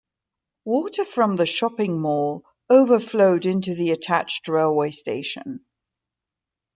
Water from the shopping mall overflowed into the attached railway station.